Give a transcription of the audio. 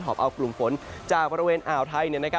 อบเอากลุ่มฝนจากบริเวณอ่าวไทย